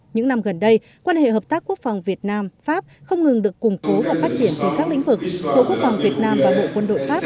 những năm gần đây quan hệ hợp tác quốc phòng việt nam pháp không ngừng được củng cố và phát triển trên các lĩnh vực bộ quốc phòng việt nam và bộ quân đội pháp